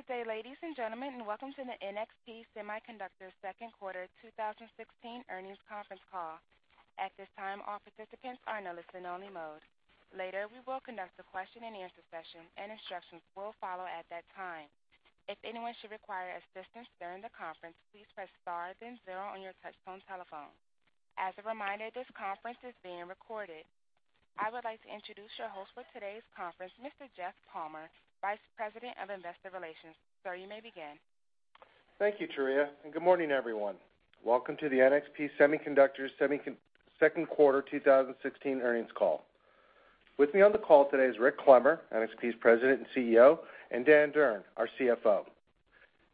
Good day, ladies and gentlemen, and welcome to the NXP Semiconductors second quarter 2016 earnings conference call. At this time, all participants are in listen only mode. Later, we will conduct a question and answer session, and instructions will follow at that time. If anyone should require assistance during the conference, please press star then zero on your touchtone telephone. As a reminder, this conference is being recorded. I would like to introduce your host for today's conference, Mr. Jeff Palmer, Vice President of Investor Relations. Sir, you may begin. Thank you, Turiya, and good morning, everyone. Welcome to the NXP Semiconductors second quarter 2016 earnings call. With me on the call today is Rick Clemmer, NXP's President and CEO, and Dan Durn, our CFO.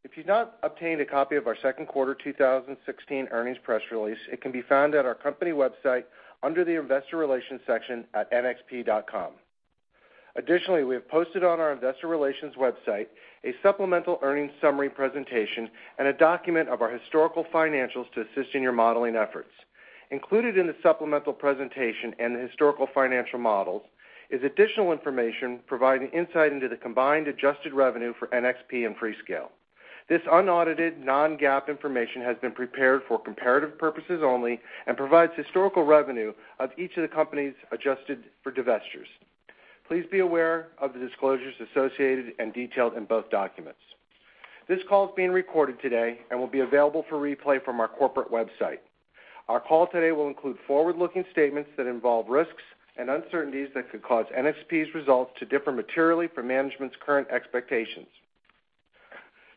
If you've not obtained a copy of our second quarter 2016 earnings press release, it can be found at our company website under the investor relations section at nxp.com. Additionally, we have posted on our investor relations website a supplemental earnings summary presentation and a document of our historical financials to assist in your modeling efforts. Included in the supplemental presentation and the historical financial models is additional information providing insight into the combined adjusted revenue for NXP and Freescale. This unaudited non-GAAP information has been prepared for comparative purposes only and provides historical revenue of each of the companies adjusted for divestitures. Please be aware of the disclosures associated and detailed in both documents. This call is being recorded today and will be available for replay from our corporate website. Our call today will include forward-looking statements that involve risks and uncertainties that could cause NXP's results to differ materially from management's current expectations.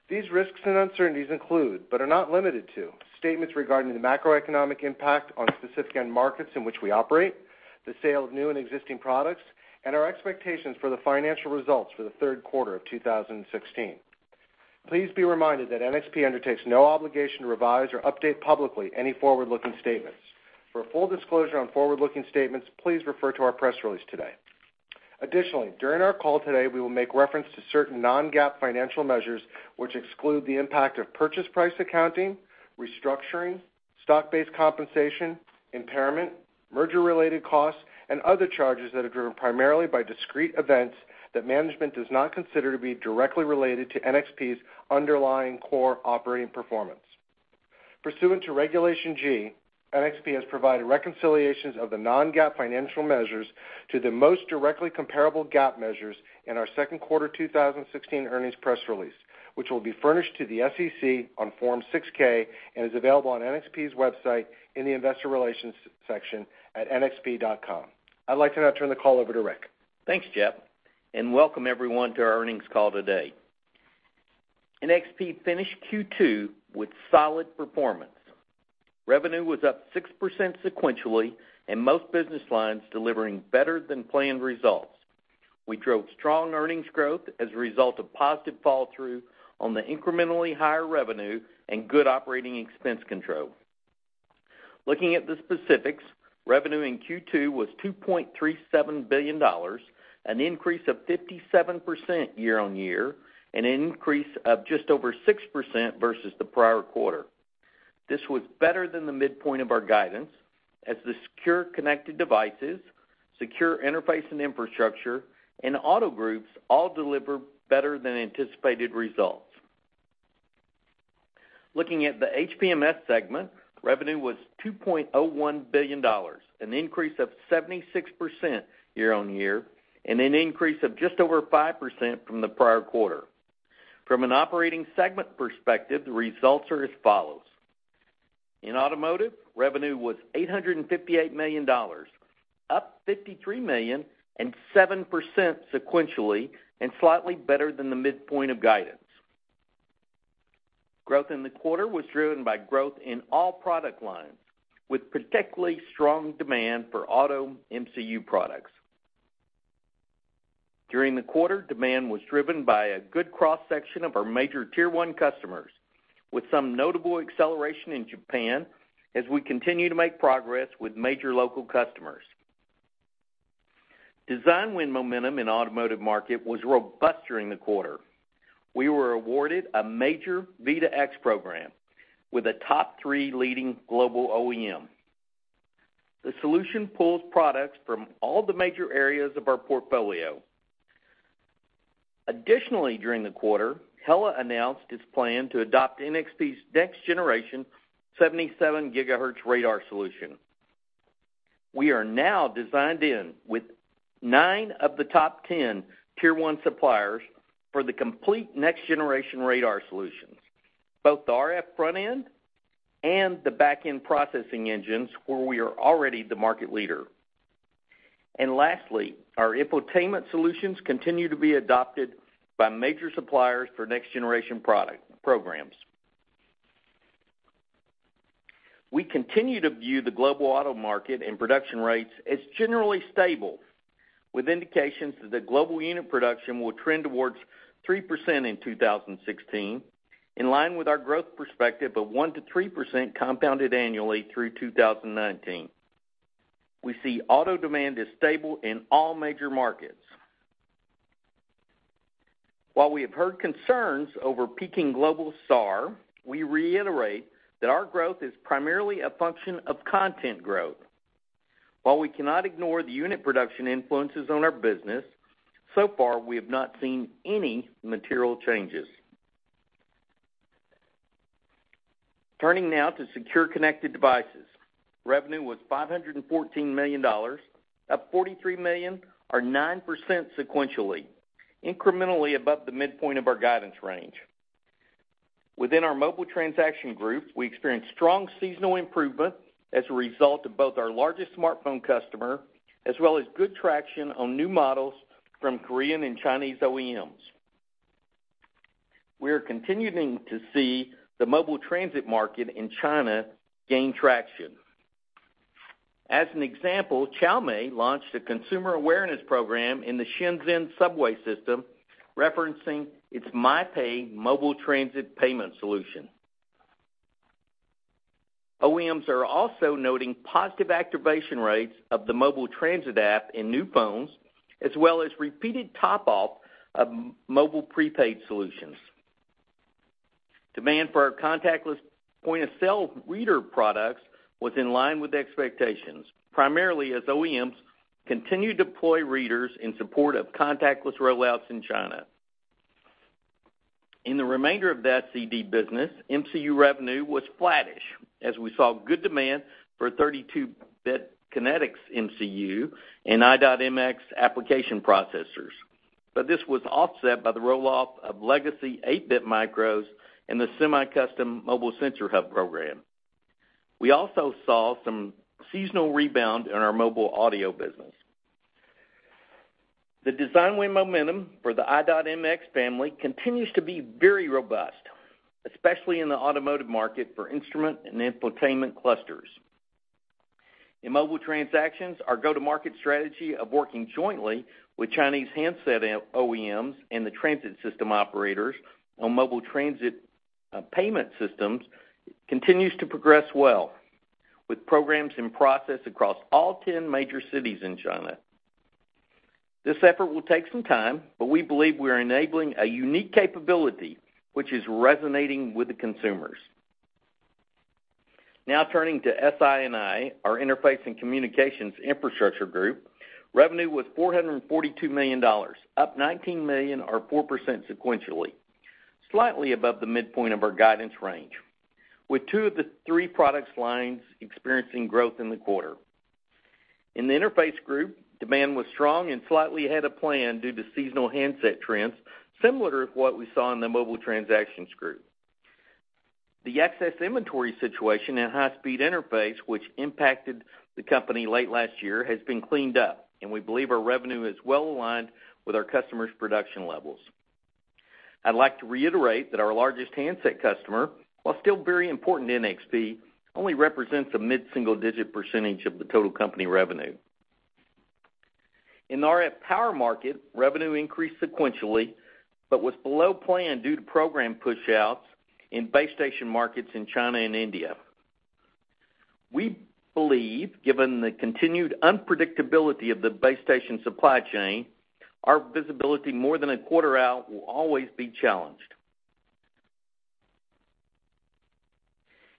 These risks and uncertainties include, but are not limited to, statements regarding the macroeconomic impact on specific end markets in which we operate, the sale of new and existing products, and our expectations for the financial results for the third quarter of 2016. Please be reminded that NXP undertakes no obligation to revise or update publicly any forward-looking statements. For a full disclosure on forward-looking statements, please refer to our press release today. Additionally, during our call today, we will make reference to certain non-GAAP financial measures which exclude the impact of purchase price accounting, restructuring, stock-based compensation, impairment, merger related costs, and other charges that are driven primarily by discrete events that management does not consider to be directly related to NXP's underlying core operating performance. Pursuant to Regulation G, NXP has provided reconciliations of the non-GAAP financial measures to the most directly comparable GAAP measures in our second quarter 2016 earnings press release, which will be furnished to the SEC on Form 6-K and is available on NXP's website in the investor relations section at nxp.com. I'd like to now turn the call over to Rick. Thanks, Jeff, and welcome everyone to our earnings call today. NXP finished Q2 with solid performance. Revenue was up 6% sequentially, and most business lines delivering better than planned results. We drove strong earnings growth as a result of positive fall through on the incrementally higher revenue and good operating expense control. Looking at the specifics, revenue in Q2 was $2.37 billion, an increase of 57% year-on-year, and an increase of just over 6% versus the prior quarter. This was better than the midpoint of our guidance as the secure connected devices, Secure Interface and Infrastructure, and auto groups all delivered better than anticipated results. Looking at the HPMS segment, revenue was $2.01 billion, an increase of 76% year-on-year, and an increase of just over 5% from the prior quarter. From an operating segment perspective, the results are as follows. In automotive, revenue was $858 million, up $53 million and 7% sequentially and slightly better than the midpoint of guidance. Growth in the quarter was driven by growth in all product lines, with particularly strong demand for auto MCU products. During the quarter, demand was driven by a good cross-section of our major tier 1 customers, with some notable acceleration in Japan as we continue to make progress with major local customers. Design win momentum in automotive market was robust during the quarter. We were awarded a major V2X program with a top 3 leading global OEM. The solution pulls products from all the major areas of our portfolio. Additionally, during the quarter, HELLA announced its plan to adopt NXP's next generation 77 GHz radar solution. We are now designed in with 9 of the top 10 tier 1 suppliers for the complete next generation radar solutions, both the RF front end and the back end processing engines where we are already the market leader. Lastly, our infotainment solutions continue to be adopted by major suppliers for next generation programs. We continue to view the global auto market and production rates as generally stable, with indications that global unit production will trend towards 3% in 2016, in line with our growth perspective of 1%-3% compounded annually through 2019. We see auto demand is stable in all major markets. While we have heard concerns over peaking global SAAR, we reiterate that our growth is primarily a function of content growth. While we cannot ignore the unit production influences on our business, so far, we have not seen any material changes. Turning now to secure connected devices. Revenue was $514 million, up $43 million or 9% sequentially, incrementally above the midpoint of our guidance range. Within our mobile transaction group, we experienced strong seasonal improvement as a result of both our largest smartphone customer, as well as good traction on new models from Korean and Chinese OEMs. We are continuing to see the mobile transit market in China gain traction. As an example, Chao Mei launched a consumer awareness program in the Shenzhen subway system, referencing its Mi Pay mobile transit payment solution. OEMs are also noting positive activation rates of the mobile transit app in new phones, as well as repeated top-off of mobile prepaid solutions. Demand for our contactless point-of-sale reader products was in line with expectations, primarily as OEMs continue to deploy readers in support of contactless rollouts in China. In the remainder of that CD business, MCU revenue was flattish, as we saw good demand for 32-bit Kinetis MCU and i.MX application processors. This was offset by the roll-off of legacy 8-bit micros in the semi-custom mobile sensor hub program. We also saw some seasonal rebound in our mobile audio business. The design win momentum for the i.MX family continues to be very robust, especially in the automotive market for instrument and infotainment clusters. In mobile transactions, our go-to-market strategy of working jointly with Chinese handset OEMs and the transit system operators on mobile transit payment systems continues to progress well, with programs in process across all 10 major cities in China. This effort will take some time, but we believe we are enabling a unique capability, which is resonating with the consumers. Turning to SI&I, our interface and communications infrastructure group. Revenue was $442 million, up $19 million or 4% sequentially, slightly above the midpoint of our guidance range, with two of the three products lines experiencing growth in the quarter. In the interface group, demand was strong and slightly ahead of plan due to seasonal handset trends, similar to what we saw in the mobile transactions group. The excess inventory situation in high-speed interface, which impacted the company late last year, has been cleaned up, and we believe our revenue is well-aligned with our customers' production levels. I'd like to reiterate that our largest handset customer, while still very important to NXP, only represents a mid-single-digit percentage of the total company revenue. In the RF power market, revenue increased sequentially, was below plan due to program pushouts in base station markets in China and India. We believe, given the continued unpredictability of the base station supply chain, our visibility more than a quarter out will always be challenged.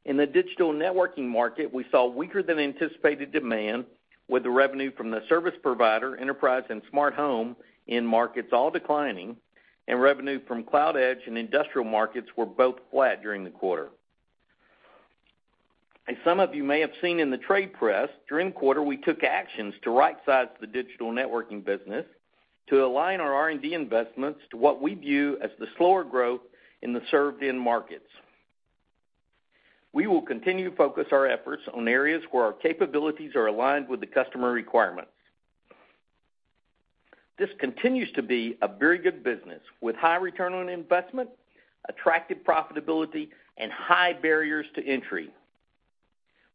In the digital networking market, we saw weaker-than-anticipated demand with the revenue from the service provider, enterprise, and smart home end markets all declining, and revenue from cloud edge and industrial markets were both flat during the quarter. As some of you may have seen in the trade press, during the quarter, we took actions to rightsize the digital networking business to align our R&D investments to what we view as the slower growth in the served end markets. We will continue to focus our efforts on areas where our capabilities are aligned with the customer requirements. This continues to be a very good business with high return on investment, attractive profitability, and high barriers to entry.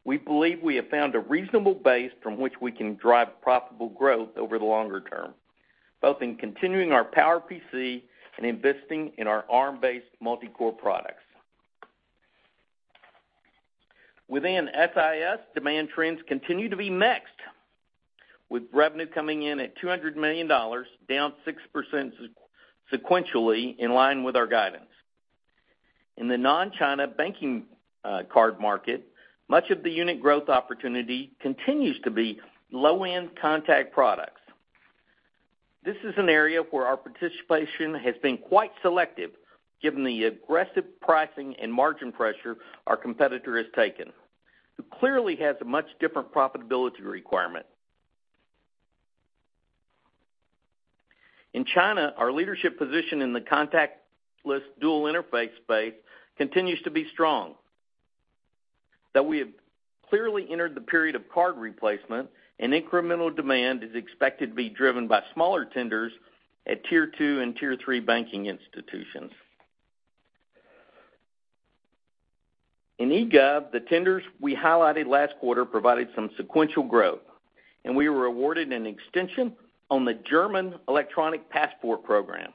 We believe we have found a reasonable base from which we can drive profitable growth over the longer term, both in continuing our PowerPC and investing in our Arm-based multi-core products. Within SIS, demand trends continue to be mixed, with revenue coming in at $200 million, down 6% sequentially, in line with our guidance. In the non-China banking card market, much of the unit growth opportunity continues to be low-end contact products. This is an area where our participation has been quite selective, given the aggressive pricing and margin pressure our competitor has taken, who clearly has a much different profitability requirement. In China, our leadership position in the contactless dual interface space continues to be strong. We have clearly entered the period of card replacement, an incremental demand is expected to be driven by smaller tenders at tier 2 and tier 3 banking institutions. In eGov, the tenders we highlighted last quarter provided some sequential growth, and we were awarded an extension on the German electronic passport program.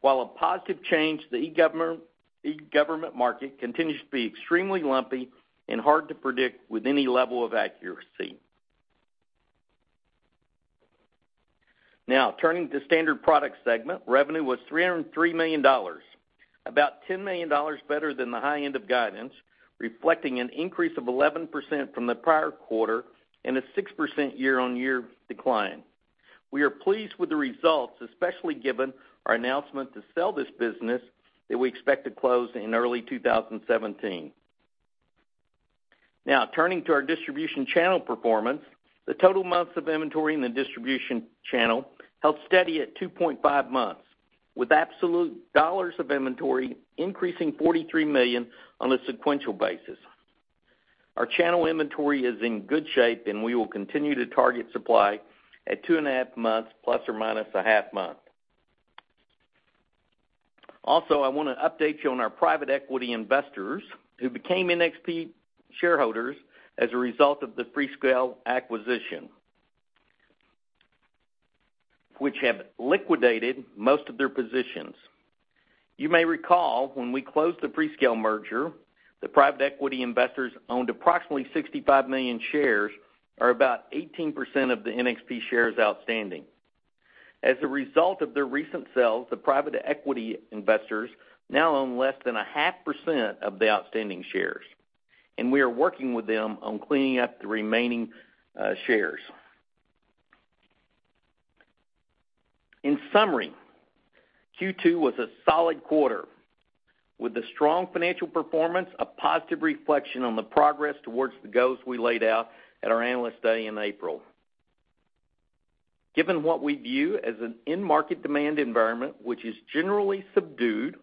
While a positive change, the eGovernment market continues to be extremely lumpy and hard to predict with any level of accuracy. Now turning to Standard Products segment, revenue was $303 million, about $10 million better than the high end of guidance, reflecting an increase of 11% from the prior quarter and a 6% year-on-year decline. We are pleased with the results, especially given our announcement to sell this business that we expect to close in early 2017. Now turning to our distribution channel performance. The total months of inventory in the distribution channel held steady at 2.5 months, with absolute dollars of inventory increasing $43 million on a sequential basis. Our channel inventory is in good shape, and we will continue to target supply at two and a half months, plus or minus a half month. Also, I want to update you on our private equity investors who became NXP shareholders as a result of the Freescale acquisition, which have liquidated most of their positions. You may recall, when we closed the Freescale merger, the private equity investors owned approximately 65 million shares, or about 18% of the NXP shares outstanding. As a result of their recent sales, the private equity investors now own less than 0.5% of the outstanding shares, and we are working with them on cleaning up the remaining shares. In summary, Q2 was a solid quarter with a strong financial performance, a positive reflection on the progress towards the goals we laid out at our Analyst Day in April. Given what we view as an end-market demand environment which is generally subdued,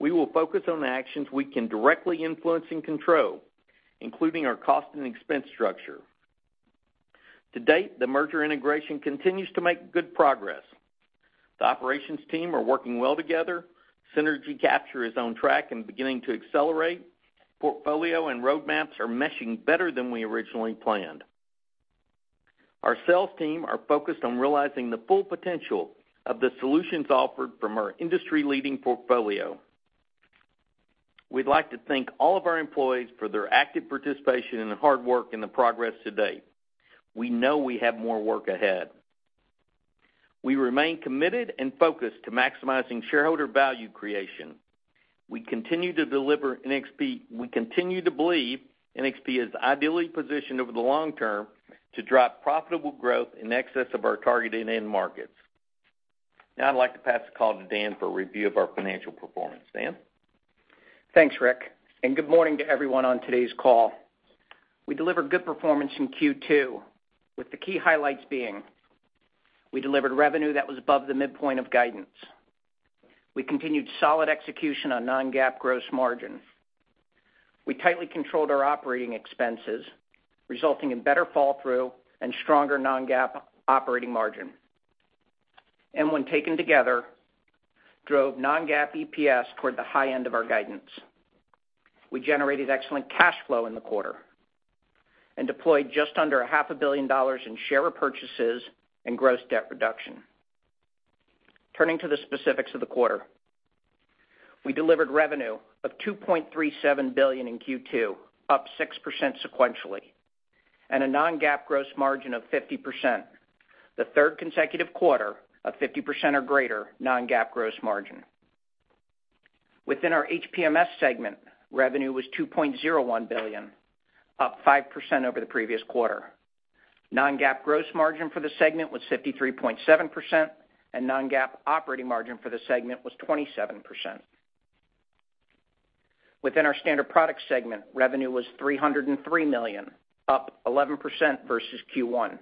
we will focus on the actions we can directly influence and control, including our cost and expense structure. To date, the merger integration continues to make good progress. The operations team are working well together. Synergy capture is on track and beginning to accelerate. Portfolio and roadmaps are meshing better than we originally planned. Our sales team are focused on realizing the full potential of the solutions offered from our industry-leading portfolio. We would like to thank all of our employees for their active participation and the hard work and the progress to date. We know we have more work ahead. We remain committed and focused to maximizing shareholder value creation. We continue to believe NXP is ideally positioned over the long term to drive profitable growth in excess of our target end markets. Now I would like to pass the call to Dan for a review of our financial performance. Dan? Thanks, Rick. Good morning to everyone on today's call. We delivered good performance in Q2, with the key highlights being we delivered revenue that was above the midpoint of guidance. We continued solid execution on non-GAAP gross margin. We tightly controlled our operating expenses, resulting in better fall-through and stronger non-GAAP operating margin. When taken together, drove non-GAAP EPS toward the high end of our guidance. We generated excellent cash flow in the quarter and deployed just under $500 million in share repurchases and gross debt reduction. Turning to the specifics of the quarter. We delivered revenue of $2.37 billion in Q2, up 6% sequentially, and a non-GAAP gross margin of 50%, the third consecutive quarter of 50% or greater non-GAAP gross margin. Within our HPMS segment, revenue was $2.01 billion, up 5% over the previous quarter. Non-GAAP gross margin for the segment was 53.7%, and non-GAAP operating margin for the segment was 27%. Within our Standard Products segment, revenue was $303 million, up 11% versus Q1.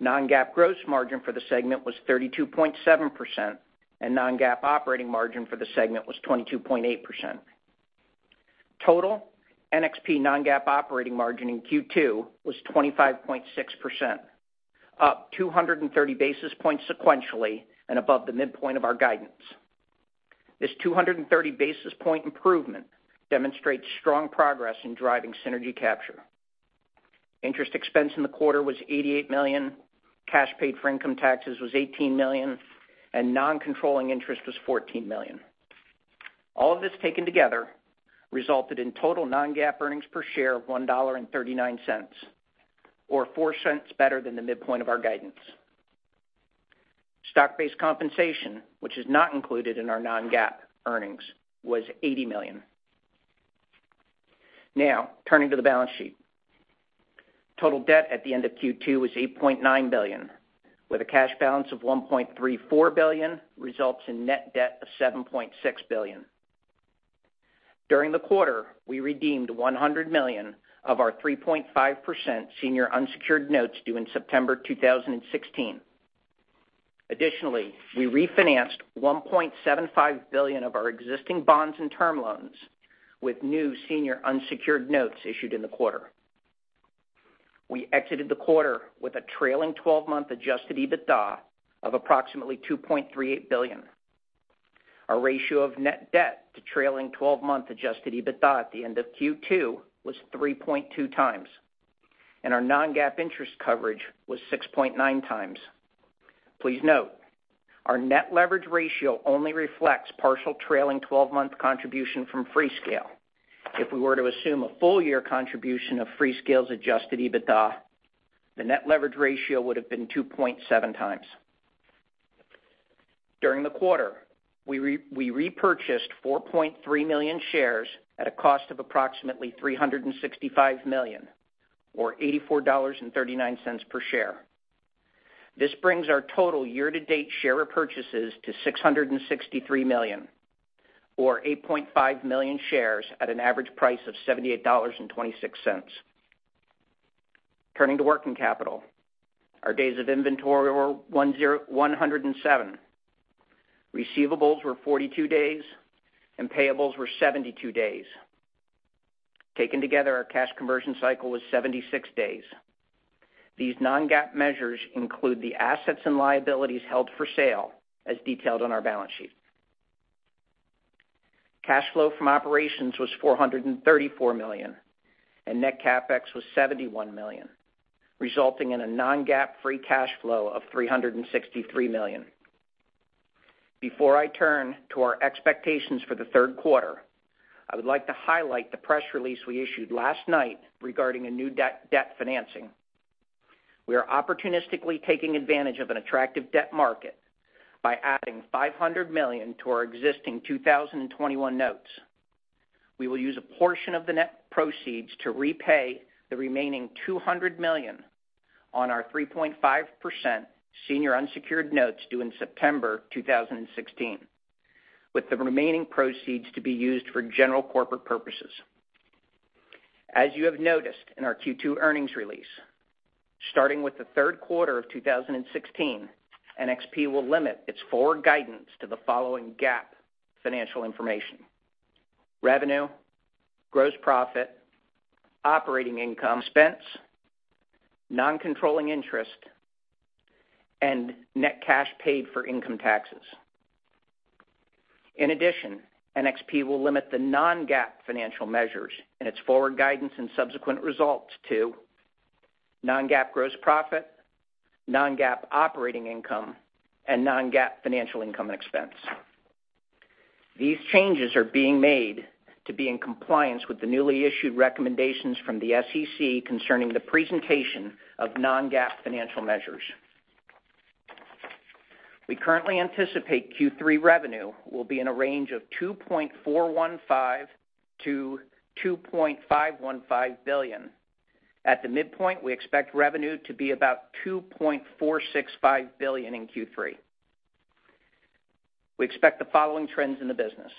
Non-GAAP gross margin for the segment was 32.7%, and non-GAAP operating margin for the segment was 22.8%. Total NXP non-GAAP operating margin in Q2 was 25.6%, up 230 basis points sequentially and above the midpoint of our guidance. This 230-basis point improvement demonstrates strong progress in driving synergy capture. Interest expense in the quarter was $88 million, cash paid for income taxes was $18 million, and non-controlling interest was $14 million. All of this taken together resulted in total non-GAAP earnings per share of $1.39, or $0.04 better than the midpoint of our guidance. Stock-based compensation, which is not included in our non-GAAP earnings, was $80 million. Turning to the balance sheet. Total debt at the end of Q2 was $8.9 billion, with a cash balance of $1.34 billion, results in net debt of $7.6 billion. During the quarter, we redeemed $100 million of our 3.5% senior unsecured notes due in September 2016. We refinanced $1.75 billion of our existing bonds and term loans with new senior unsecured notes issued in the quarter. We exited the quarter with a trailing 12-month adjusted EBITDA of approximately $2.38 billion. Our ratio of net debt to trailing 12-month adjusted EBITDA at the end of Q2 was 3.2 times, and our non-GAAP interest coverage was 6.9 times. Please note, our net leverage ratio only reflects partial trailing 12-month contribution from Freescale. If we were to assume a full-year contribution of Freescale's adjusted EBITDA, the net leverage ratio would've been 2.7 times. During the quarter, we repurchased 4.3 million shares at a cost of approximately $365 million, or $84.39 per share. This brings our total year-to-date share repurchases to $663 million, or 8.5 million shares at an average price of $78.26. Turning to working capital, our days of inventory were 107. Receivables were 42 days, and payables were 72 days. Taken together, our cash conversion cycle was 76 days. These non-GAAP measures include the assets and liabilities held for sale as detailed on our balance sheet. Cash flow from operations was $434 million, and net CapEx was $71 million, resulting in a non-GAAP free cash flow of $363 million. Before I turn to our expectations for the third quarter, I would like to highlight the press release we issued last night regarding a new debt financing. We are opportunistically taking advantage of an attractive debt market by adding $500 million to our existing 2021 notes. We will use a portion of the net proceeds to repay the remaining $200 million on our 3.5% senior unsecured notes due in September 2016, with the remaining proceeds to be used for general corporate purposes. As you have noticed in our Q2 earnings release, starting with the third quarter of 2016, NXP will limit its forward guidance to the following GAAP financial information: revenue, gross profit, operating income expense, non-controlling interest, and net cash paid for income taxes. In addition, NXP will limit the non-GAAP financial measures in its forward guidance and subsequent results to non-GAAP gross profit, non-GAAP operating income, and non-GAAP financial income and expense. These changes are being made to be in compliance with the newly issued recommendations from the SEC concerning the presentation of non-GAAP financial measures. We currently anticipate Q3 revenue will be in a range of $2.415 billion-$2.515 billion. At the midpoint, we expect revenue to be about $2.465 billion in Q3. We expect the following trends in the business.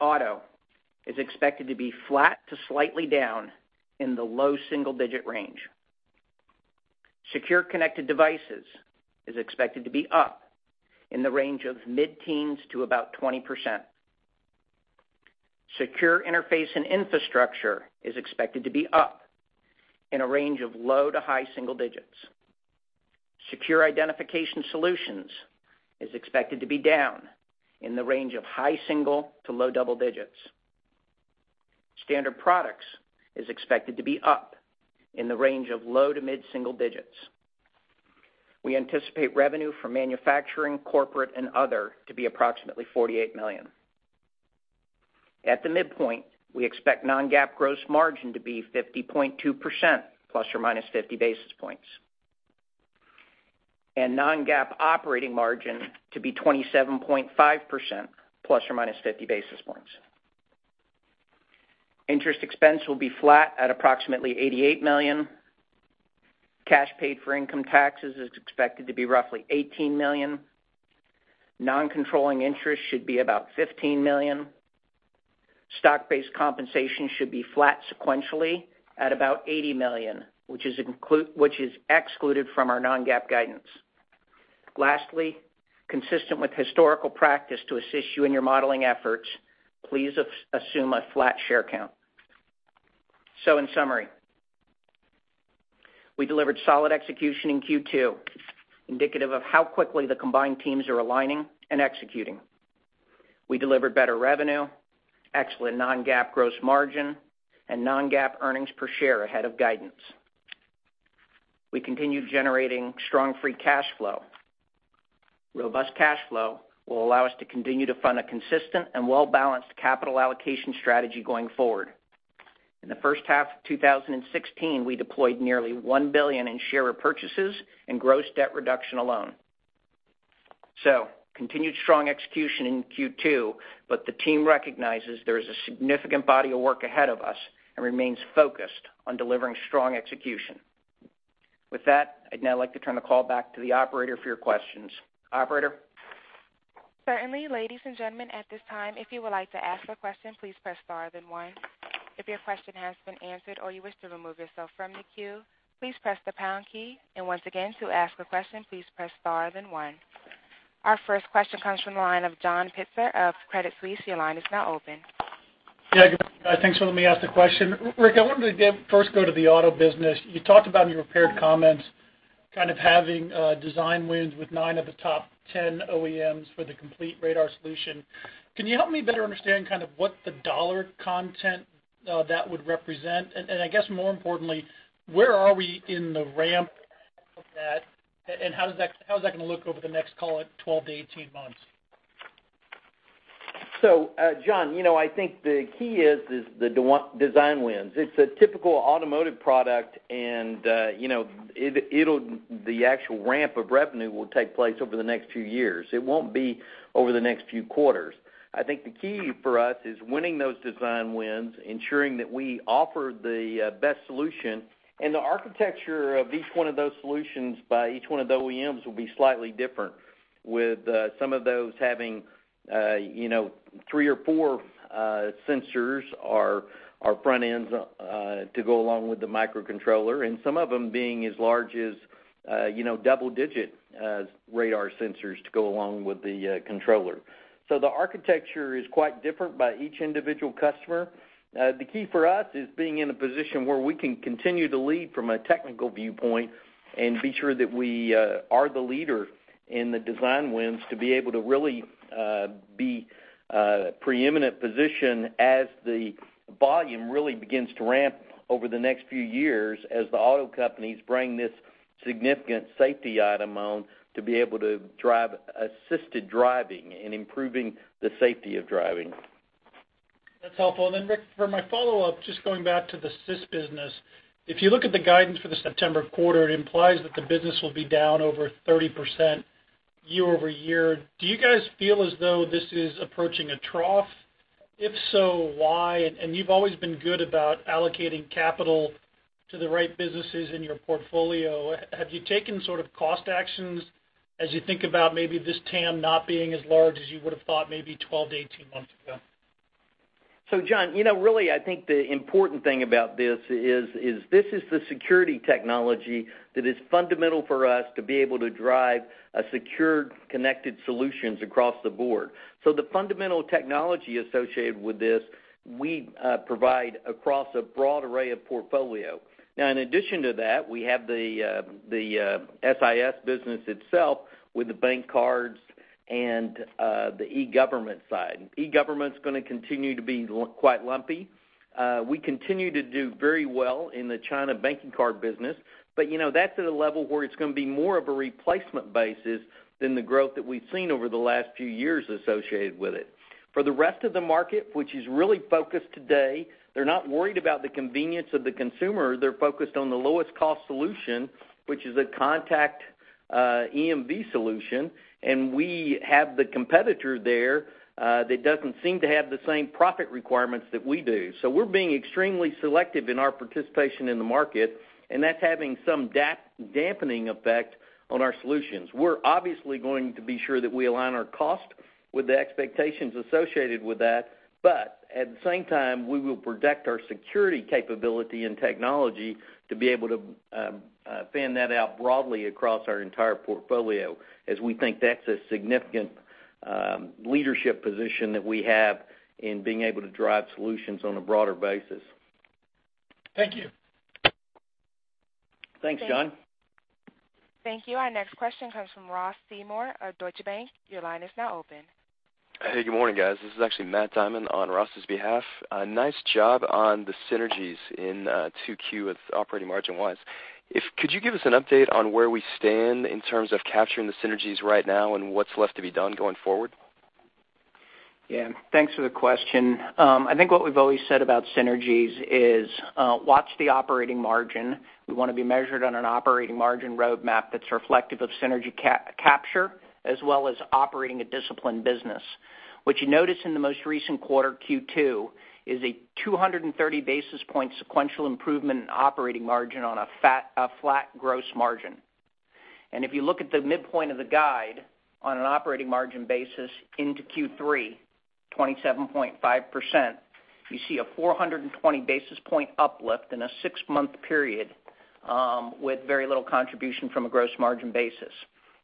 Auto is expected to be flat to slightly down in the low single-digit range. secure connected devices is expected to be up in the range of mid-teens to about 20%. Secure Interface and Infrastructure is expected to be up in a range of low to high single digits. Secure Identification Solutions is expected to be down in the range of high single to low double digits. Standard Products is expected to be up in the range of low to mid-single digits. We anticipate revenue for manufacturing, corporate, and other to be approximately $48 million. At the midpoint, we expect non-GAAP gross margin to be 50.2%, plus or minus 50 basis points, and non-GAAP operating margin to be 27.5%, plus or minus 50 basis points. Interest expense will be flat at approximately $88 million. Cash paid for income taxes is expected to be roughly $18 million. Non-controlling interest should be about $15 million. Stock-based compensation should be flat sequentially at about $80 million, which is excluded from our non-GAAP guidance. Lastly, consistent with historical practice to assist you in your modeling efforts, please assume a flat share count. In summary, we delivered solid execution in Q2, indicative of how quickly the combined teams are aligning and executing. We delivered better revenue, excellent non-GAAP gross margin, and non-GAAP earnings per share ahead of guidance. We continued generating strong free cash flow. Robust cash flow will allow us to continue to fund a consistent and well-balanced capital allocation strategy going forward. In the first half of 2016, we deployed nearly $1 billion in share repurchases and gross debt reduction alone. Continued strong execution in Q2, but the team recognizes there is a significant body of work ahead of us and remains focused on delivering strong execution. With that, I'd now like to turn the call back to the operator for your questions. Operator? Certainly. Ladies and gentlemen, at this time, if you would like to ask a question, please press star then one. If your question has been answered or you wish to remove yourself from the queue, please press the pound key. Once again, to ask a question, please press star then one. Our first question comes from the line of John Pitzer of Credit Suisse. Your line is now open. Yeah. Good. Thanks for letting me ask the question. Rick, I wanted to first go to the auto business. You talked about in your prepared comments, having design wins with nine of the top 10 OEMs for the complete radar solution. Can you help me better understand what the dollar content that would represent? I guess more importantly, where are we in the ramp of that, and how is that going to look over the next, call it, 12 to 18 months? John, I think the key is the design wins. It's a typical automotive product, the actual ramp of revenue will take place over the next few years. It won't be over the next few quarters. I think the key for us is winning those design wins, ensuring that we offer the best solution, the architecture of each one of those solutions by each one of the OEMs will be slightly different. With some of those having three or four sensors or front ends to go along with the microcontroller, and some of them being as large as double-digit radar sensors to go along with the controller. The architecture is quite different by each individual customer. The key for us is being in a position where we can continue to lead from a technical viewpoint and be sure that we are the leader in the design wins to be able to really be preeminent position as the volume really begins to ramp over the next few years as the auto companies bring this significant safety item on to be able to drive assisted driving and improving the safety of driving. That's helpful. Rick, for my follow-up, just going back to the SIS business. If you look at the guidance for the September quarter, it implies that the business will be down over 30% year-over-year. Do you guys feel as though this is approaching a trough? If so, why? You've always been good about allocating capital to the right businesses in your portfolio. Have you taken sort of cost actions as you think about maybe this TAM not being as large as you would've thought maybe 12-18 months ago? John, really, I think the important thing about this is, this is the security technology that is fundamental for us to be able to drive a secured, connected solutions across the board. The fundamental technology associated with this, we provide across a broad array of portfolio. In addition to that, we have the SIS business itself with the bank cards and the e-government side. E-government's going to continue to be quite lumpy. We continue to do very well in the China banking card business, but that's at a level where it's going to be more of a replacement basis than the growth that we've seen over the last few years associated with it. For the rest of the market, which is really focused today, they're not worried about the convenience of the consumer, they're focused on the lowest cost solution, which is a contact EMV solution, and we have the competitor there that doesn't seem to have the same profit requirements that we do. We're being extremely selective in our participation in the market, and that's having some dampening effect on our solutions. We're obviously going to be sure that we align our cost with the expectations associated with that, at the same time, we will protect our security capability and technology to be able to fan that out broadly across our entire portfolio as we think that's a significant leadership position that we have in being able to drive solutions on a broader basis. Thank you. Thanks, John. Thank you. Our next question comes from Ross Seymore of Deutsche Bank. Your line is now open. Hey, good morning, guys. This is actually Matt Diamond on Ross's behalf. Nice job on the synergies in 2Q with operating margin-wise. Could you give us an update on where we stand in terms of capturing the synergies right now and what's left to be done going forward? Yeah. Thanks for the question. I think what we've always said about synergies is watch the operating margin. We want to be measured on an operating margin roadmap that's reflective of synergy capture, as well as operating a disciplined business. What you notice in the most recent quarter, Q2, is a 230 basis point sequential improvement in operating margin on a flat gross margin. If you look at the midpoint of the guide on an operating margin basis into Q3, 27.5%, you see a 420 basis point uplift in a six-month period, with very little contribution from a gross margin basis.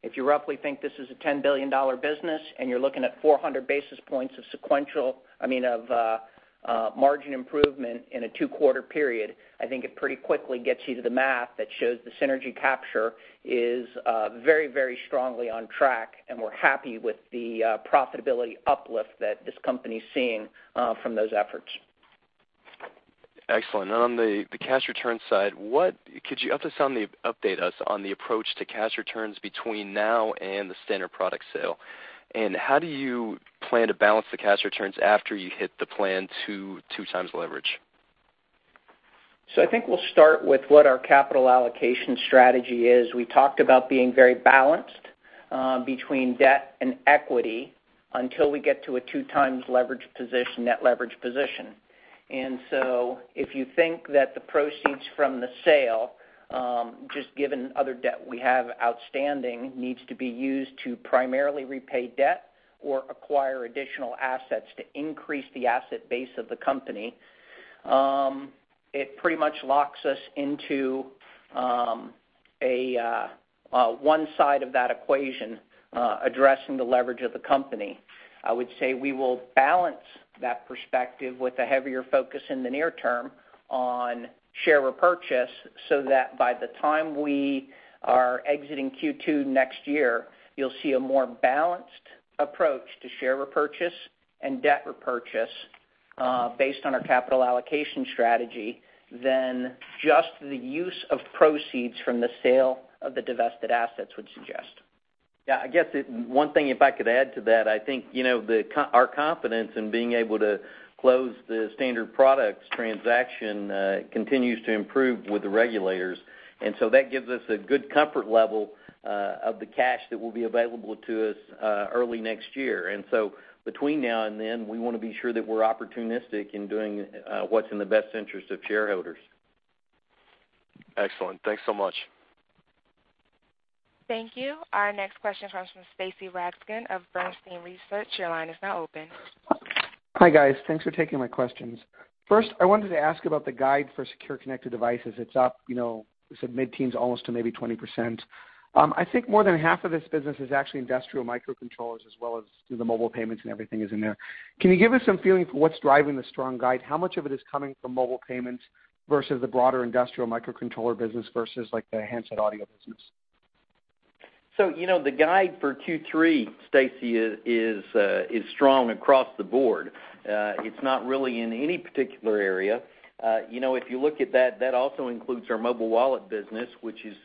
If you roughly think this is a $10 billion business and you're looking at 400 basis points of margin improvement in a two-quarter period, I think it pretty quickly gets you to the math that shows the synergy capture is very strongly on track, and we're happy with the profitability uplift that this company's seeing from those efforts. Excellent. On the cash return side, could you update us on the approach to cash returns between now and the Standard Products sale? How do you plan to balance the cash returns after you hit the plan to two times leverage? I think we'll start with what our capital allocation strategy is. We talked about being very balanced between debt and equity until we get to a two times leverage position, net leverage position. If you think that the proceeds from the sale, just given other debt we have outstanding, needs to be used to primarily repay debt or acquire additional assets to increase the asset base of the company, it pretty much locks us into one side of that equation, addressing the leverage of the company. I would say we will balance that perspective with a heavier focus in the near term on share repurchase, so that by the time we are exiting Q2 next year, you'll see a more balanced approach to share repurchase and debt repurchase based on our capital allocation strategy than just the use of proceeds from the sale of the divested assets would suggest. Yeah, I guess one thing, if I could add to that, I think our confidence in being able to close the Standard Products transaction continues to improve with the regulators. That gives us a good comfort level of the cash that will be available to us early next year. Between now and then, we want to be sure that we're opportunistic in doing what's in the best interest of shareholders. Excellent. Thanks so much. Thank you. Our next question comes from Stacy Rasgon of Bernstein Research. Your line is now open. Hi, guys. Thanks for taking my questions. First, I wanted to ask about the guide for secure connected devices. It's up, you said mid-teens almost to maybe 20%. I think more than half of this business is actually industrial microcontrollers as well as the mobile payments and everything is in there. Can you give us some feeling for what's driving the strong guide? How much of it is coming from mobile payments versus the broader industrial microcontroller business versus like the handset audio business? The guide for Q3, Stacy, is strong across the board. It's not really in any particular area. If you look at that also includes our mobile wallet business, which is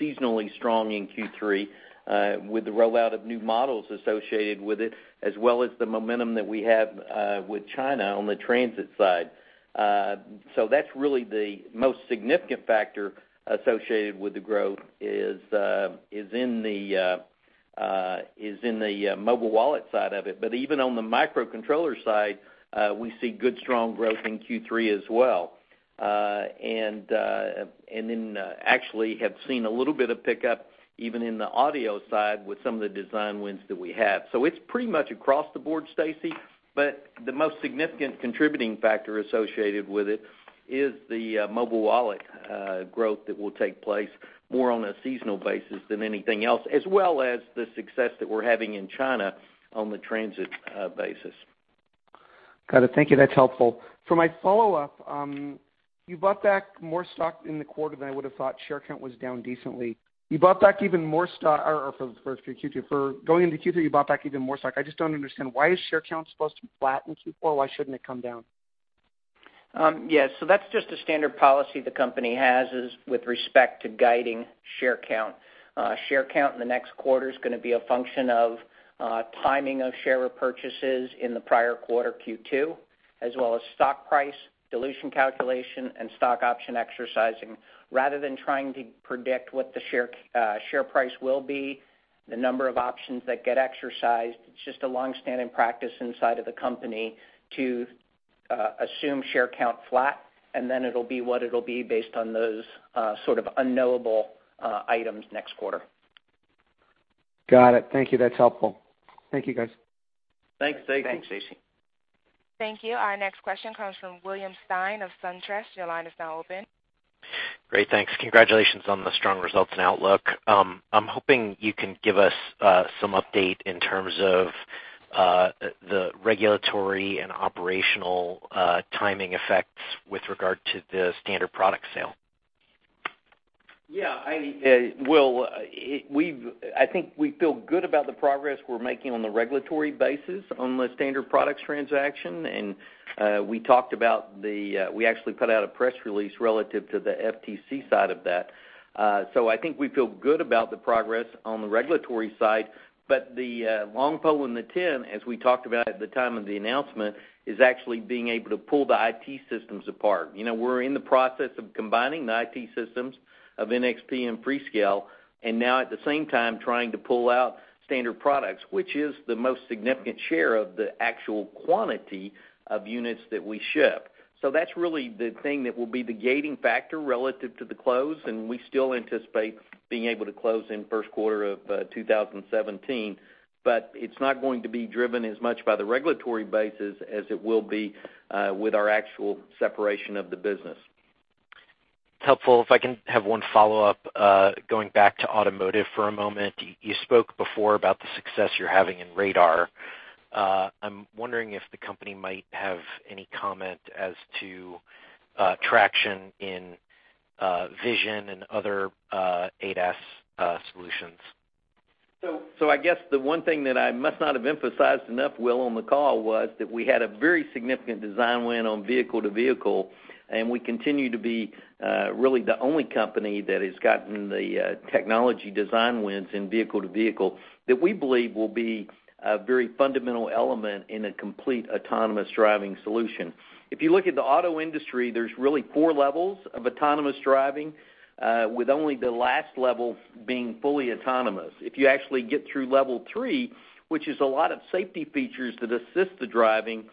seasonally strong in Q3 with the rollout of new models associated with it, as well as the momentum that we have with China on the transit side. That's really the most significant factor associated with the growth is in the mobile wallet side of it. Even on the microcontroller side, we see good strong growth in Q3 as well. Actually have seen a little bit of pickup even in the audio side with some of the design wins that we have. It's pretty much across the board, Stacy, but the most significant contributing factor associated with it is the mobile wallet growth that will take place more on a seasonal basis than anything else, as well as the success that we're having in China on the transit basis. Got it. Thank you. That's helpful. For my follow-up, you bought back more stock in the quarter than I would've thought. Share count was down decently. You bought back even more stock for Q2. For going into Q3, you bought back even more stock. I just don't understand, why is share count supposed to be flat in Q4? Why shouldn't it come down? Yeah. That's just a standard policy the company has is with respect to guiding share count. Share count in the next quarter's going to be a function of timing of share repurchases in the prior quarter, Q2, as well as stock price, dilution calculation, and stock option exercising. Rather than trying to predict what the share price will be, the number of options that get exercised, it's just a longstanding practice inside of the company to assume share count flat, and then it'll be what it'll be based on those sort of unknowable items next quarter. Got it. Thank you. That's helpful. Thank you, guys. Thanks, Stacy. Thanks. Thank you. Our next question comes from William Stein of SunTrust. Your line is now open. Great, thanks. Congratulations on the strong results and outlook. I'm hoping you can give us some update in terms of the regulatory and operational timing effects with regard to the Standard Products sale. Will, I think we feel good about the progress we're making on the regulatory basis on the Standard Products transaction. We talked about the. We actually put out a press release relative to the FTC side of that. I think we feel good about the progress on the regulatory side, but the long pole in the tent, as we talked about at the time of the announcement, is actually being able to pull the IT systems apart. We're in the process of combining the IT systems of NXP and Freescale, and now at the same time trying to pull out Standard Products, which is the most significant share of the actual quantity of units that we ship. That's really the thing that will be the gating factor relative to the close, and we still anticipate being able to close in first quarter of 2017. It's not going to be driven as much by the regulatory basis as it will be with our actual separation of the business. It's helpful. If I can have one follow-up, going back to automotive for a moment. You spoke before about the success you're having in radar. I'm wondering if the company might have any comment as to traction in vision and other ADAS solutions. I guess the one thing that I must not have emphasized enough, Will, on the call was that we had a very significant design win on vehicle to vehicle, and we continue to be really the only company that has gotten the technology design wins in vehicle to vehicle that we believe will be a very fundamental element in a complete autonomous driving solution. If you look at the auto industry, there's really 4 levels of autonomous driving, with only the last level being fully autonomous. If you actually get through level 3, which is a lot of safety features that assist the driving,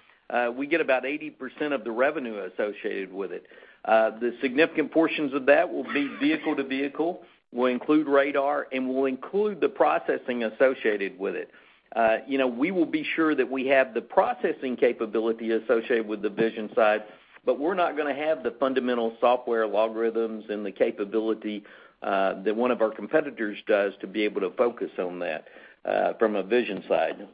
we get about 80% of the revenue associated with it. The significant portions of that will be vehicle to vehicle, will include radar, and will include the processing associated with it. We will be sure that we have the processing capability associated with the vision side, but we're not going to have the fundamental software algorithms and the capability that one of our competitors does to be able to focus on that from a vision side.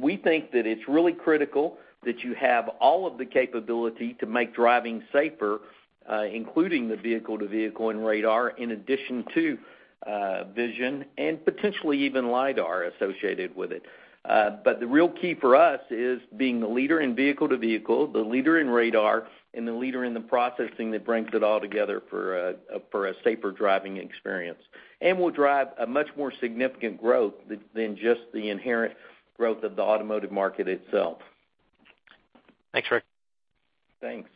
We think that it's really critical that you have all of the capability to make driving safer, including the vehicle to vehicle and radar in addition to vision and potentially even lidar associated with it. The real key for us is being the leader in vehicle to vehicle, the leader in radar, and the leader in the processing that brings it all together for a safer driving experience. Will drive a much more significant growth than just the inherent growth of the automotive market itself. Thanks, Rick. Thanks.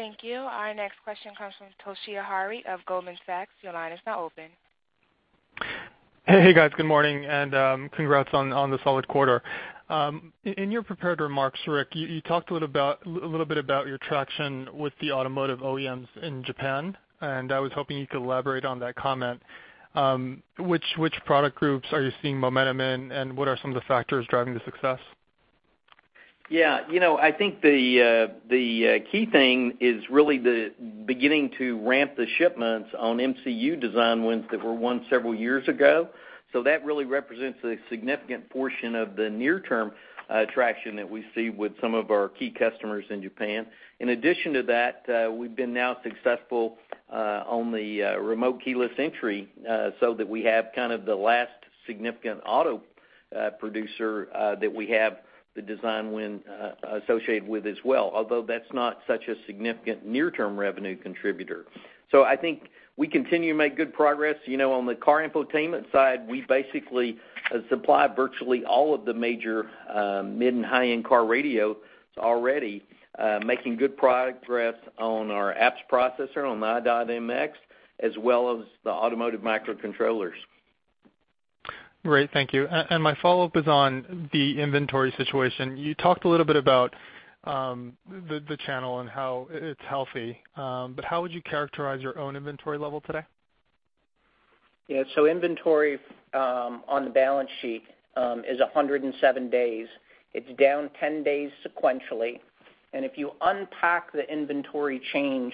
Thank you. Our next question comes from Toshiya Hari of Goldman Sachs. Your line is now open. Hey, guys. Good morning, and congrats on the solid quarter. In your prepared remarks, Rick, you talked a little bit about your traction with the automotive OEMs in Japan, and I was hoping you could elaborate on that comment. Which product groups are you seeing momentum in, and what are some of the factors driving the success? Yeah. I think the key thing is really the beginning to ramp the shipments on MCU design wins that were won several years ago. That really represents a significant portion of the near-term traction that we see with some of our key customers in Japan. In addition to that, we've been now successful on the remote keyless entry, so that we have kind of the last significant auto producer that we have the design win associated with as well, although that's not such a significant near-term revenue contributor. I think we continue to make good progress. On the car infotainment side, we basically supply virtually all of the major mid and high-end car radios already, making good progress on our apps processor on i.MX, as well as the automotive microcontrollers. Great. Thank you. My follow-up is on the inventory situation. You talked a little bit about the channel and how it's healthy. How would you characterize your own inventory level today? Yeah. Inventory on the balance sheet is 107 days. It's down 10 days sequentially. If you unpack the inventory change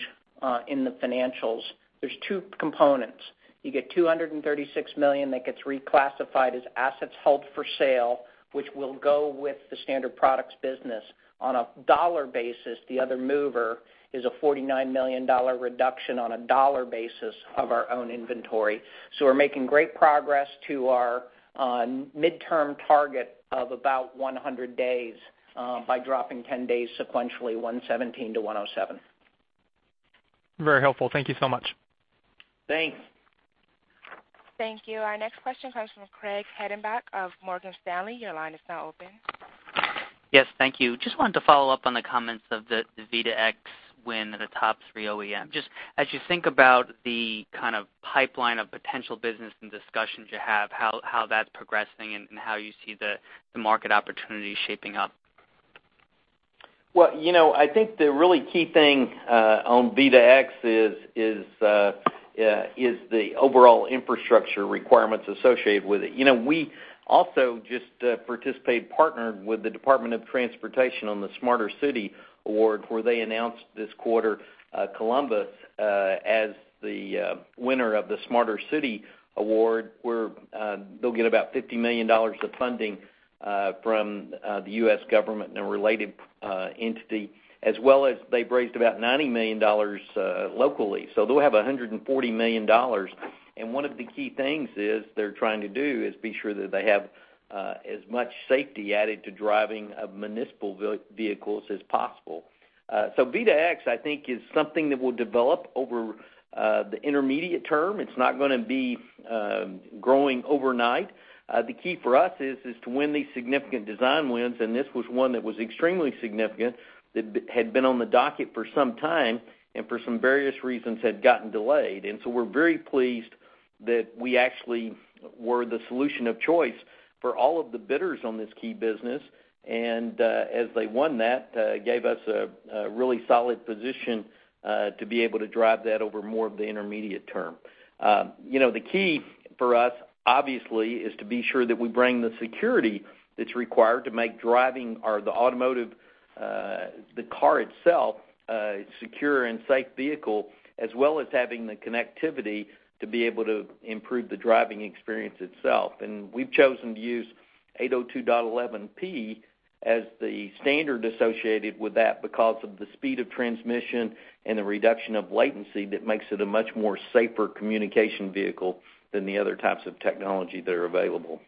in the financials, there's two components. You get $236 million that gets reclassified as assets held for sale, which will go with the Standard Products business. On a dollar basis, the other mover is a $49 million reduction on a dollar basis of our own inventory. We're making great progress to our midterm target of about 100 days by dropping 10 days sequentially, 117 to 107. Very helpful. Thank you so much. Thanks. Thank you. Our next question comes from Craig Hettenbach of Morgan Stanley. Your line is now open. Yes, thank you. Just wanted to follow up on the comments of the V2X win at a top three OEM. Just as you think about the kind of pipeline of potential business and discussions you have, how that's progressing and how you see the market opportunity shaping up. Well, I think the really key thing on V2X is the overall infrastructure requirements associated with it. We also just participated, partnered with the Department of Transportation on the Smart City Challenge, where they announced this quarter Columbus as the winner of the Smart City Challenge, where they'll get about $50 million of funding from the U.S. government and a related entity, as well as they've raised about $90 million locally. They'll have $140 million, and one of the key things is they're trying to do is be sure that they have as much safety added to driving of municipal vehicles as possible. V2X, I think, is something that will develop over the intermediate term. It's not going to be growing overnight. The key for us is to win these significant design wins. This was one that was extremely significant, that had been on the docket for some time, and for some various reasons had gotten delayed. We're very pleased that we actually were the solution of choice for all of the bidders on this key business. As they won that, gave us a really solid position to be able to drive that over more of the intermediate term. The key for us, obviously, is to be sure that we bring the security that's required to make driving or the automotive, the car itself, a secure and safe vehicle, as well as having the connectivity to be able to improve the driving experience itself. We've chosen to use 802.11p as the standard associated with that because of the speed of transmission and the reduction of latency that makes it a much safer communication vehicle than the other types of technology that are available.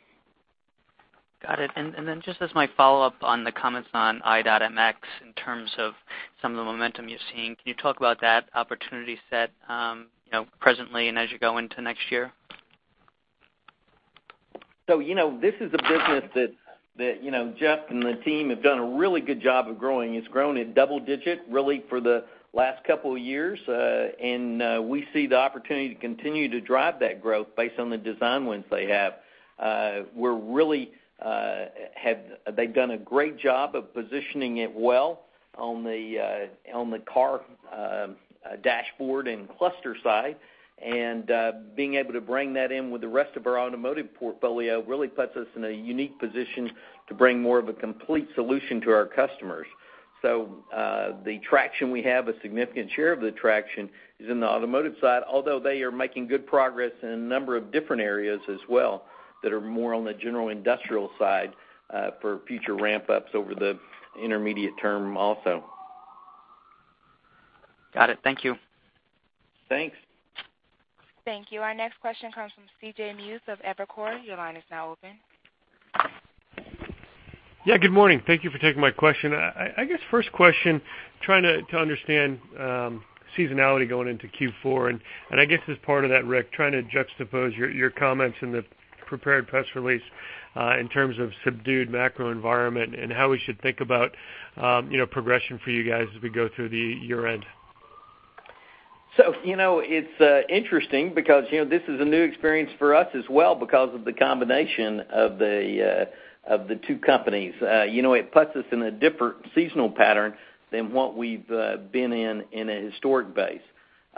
Got it. Then just as my follow-up on the comments on i.MX in terms of some of the momentum you're seeing, can you talk about that opportunity set presently and as you go into next year? This is a business that Jeff and the team have done a really good job of growing. It's grown at double-digit, really for the last couple of years. We see the opportunity to continue to drive that growth based on the design wins they have. They've done a great job of positioning it well on the car dashboard and cluster side, and being able to bring that in with the rest of our automotive portfolio really puts us in a unique position to bring more of a complete solution to our customers. The traction we have, a significant share of the traction, is in the automotive side, although they are making good progress in a number of different areas as well that are more on the general industrial side for future ramp-ups over the intermediate term also. Got it. Thank you. Thanks. Thank you. Our next question comes from CJ Muse of Evercore. Your line is now open. Yeah, good morning. Thank you for taking my question. I guess first question, trying to understand seasonality going into Q4, and I guess as part of that, Rick, trying to juxtapose your comments in the prepared press release in terms of subdued macro environment and how we should think about progression for you guys as we go through the year-end. It's interesting because this is a new experience for us as well because of the combination of the two companies. It puts us in a different seasonal pattern than what we've been in a historic base.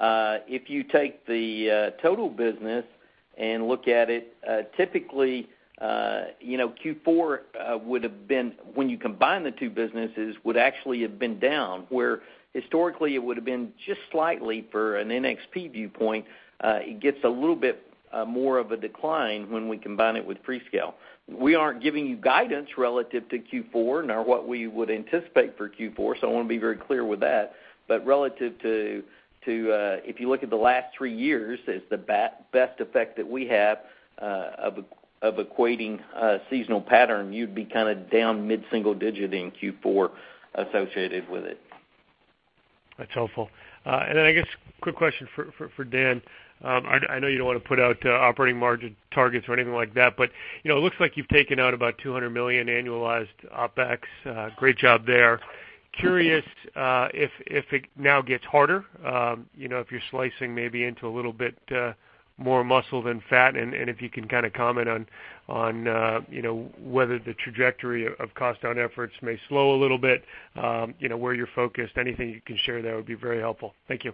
If you take the total business and look at it, typically, Q4, when you combine the two businesses, would actually have been down, where historically it would've been just slightly for an NXP viewpoint. It gets a little bit more of a decline when we combine it with Freescale. We aren't giving you guidance relative to Q4, nor what we would anticipate for Q4, I want to be very clear with that. If you look at the last three years as the best effect that we have of equating a seasonal pattern, you'd be kind of down mid-single digit in Q4 associated with it. That's helpful. I guess quick question for Dan. I know you don't want to put out operating margin targets or anything like that, it looks like you've taken out about $200 million annualized OpEx. Great job there. Curious if it now gets harder, if you're slicing maybe into a little bit more muscle than fat, and if you can comment on whether the trajectory of cost down efforts may slow a little bit, where you're focused, anything you can share there would be very helpful. Thank you.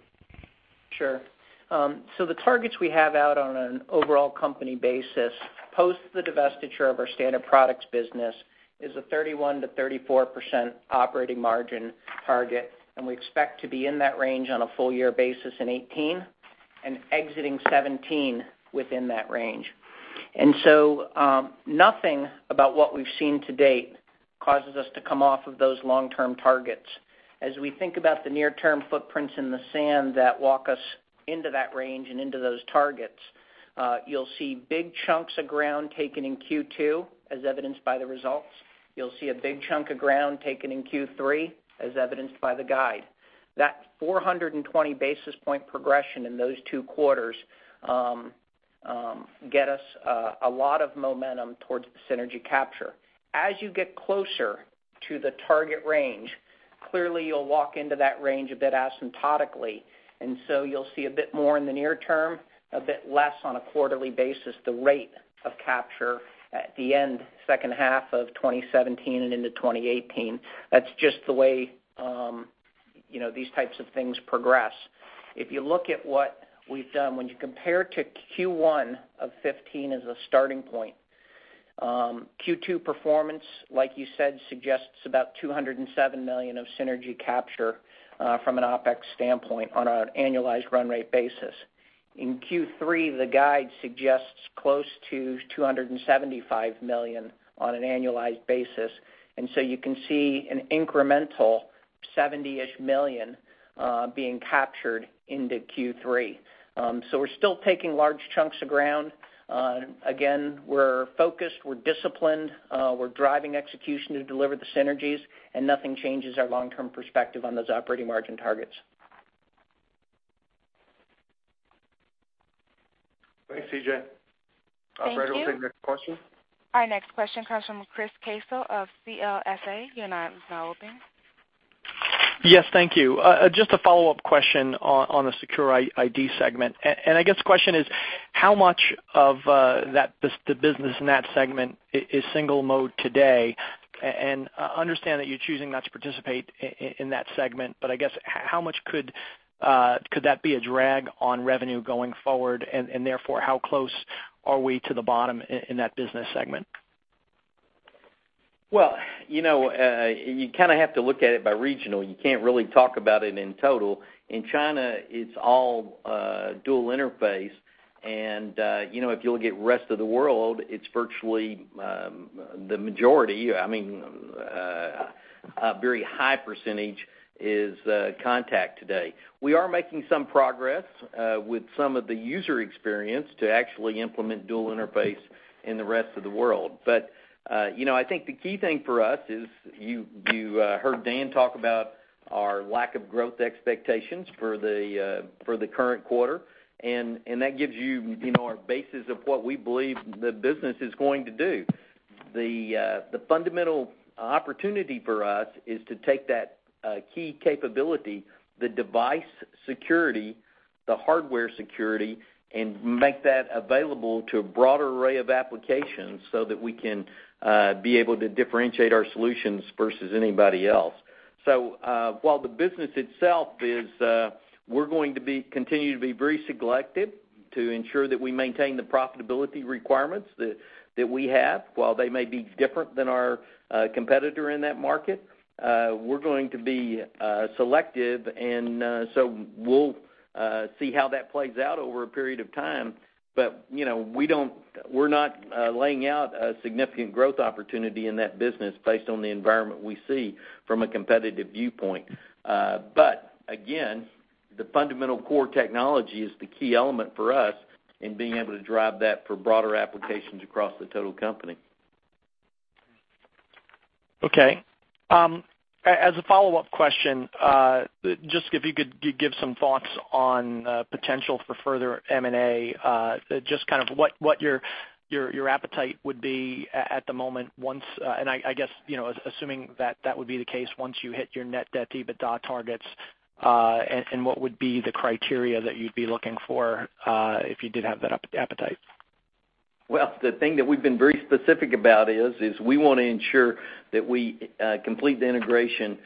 Sure. The targets we have out on an overall company basis, post the divestiture of our Standard Products business, is a 31%-34% operating margin target, and we expect to be in that range on a full year basis in 2018, and exiting 2017 within that range. Nothing about what we've seen to date causes us to come off of those long-term targets. As we think about the near term footprints in the sand that walk us into that range and into those targets, you'll see big chunks of ground taken in Q2, as evidenced by the results. You'll see a big chunk of ground taken in Q3, as evidenced by the guide. That 420 basis point progression in those two quarters get us a lot of momentum towards the synergy capture. As you get closer to the target range, clearly you'll walk into that range a bit asymptotically, you'll see a bit more in the near term, a bit less on a quarterly basis, the rate of capture at the end second half of 2017 and into 2018. That's just the way these types of things progress. If you look at what we've done, when you compare to Q1 of 2015 as a starting point, Q2 performance, like you said, suggests about $207 million of synergy capture from an OpEx standpoint on an annualized run rate basis. In Q3, the guide suggests close to $275 million on an annualized basis, you can see an incremental $70-ish million being captured into Q3. We're still taking large chunks of ground. Again, we're focused, we're disciplined, we're driving execution to deliver the synergies, nothing changes our long-term perspective on those operating margin targets. Thanks, CJ. Thank you. Operator, we'll take the next question. Our next question comes from Chris Caso of CLSA. Your line is now open. Yes, thank you. Just a follow-up question on the Secure ID segment. I guess the question is, how much of the business in that segment is single mode today? I understand that you're choosing not to participate in that segment, I guess, how much could that be a drag on revenue going forward, and therefore, how close are we to the bottom in that business segment? You kind of have to look at it by regional. You can't really talk about it in total. In China, it's all dual interface. If you look at rest of the world, it's virtually the majority. A very high percentage is contact today. We are making some progress with some of the user experience to actually implement dual interface in the rest of the world. I think the key thing for us is, you heard Dan talk about our lack of growth expectations for the current quarter, and that gives you our basis of what we believe the business is going to do. The fundamental opportunity for us is to take that key capability, the device security, the hardware security, and make that available to a broad array of applications so that we can be able to differentiate our solutions versus anybody else. While the business itself is, we're going to continue to be very selective to ensure that we maintain the profitability requirements that we have. While they may be different than our competitor in that market, we're going to be selective, and we'll see how that plays out over a period of time. We're not laying out a significant growth opportunity in that business based on the environment we see from a competitive viewpoint. Again, the fundamental core technology is the key element for us in being able to drive that for broader applications across the total company. Okay. As a follow-up question, just if you could give some thoughts on potential for further M&A, just what your appetite would be at the moment once, and I guess, assuming that would be the case once you hit your net debt EBITDA targets, and what would be the criteria that you'd be looking for if you did have that appetite? The thing that we've been very specific about is we want to ensure that we complete the integration